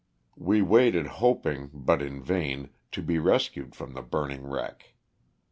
We waited hoping, but in vain, to be rescued from the burning wreck.